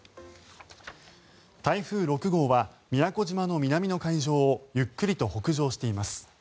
台風６号は宮古島の南の海上をゆっくりと北上しています。